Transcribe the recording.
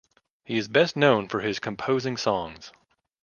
He is best known for his composing songs.